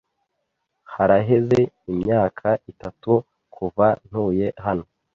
Haraheze imyaka itatu kuva ntuye hano.